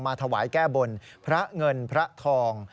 ถวายแก้บนพระเงินพระทอง